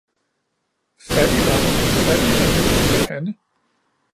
Fattig var han, fattigere nu end johanne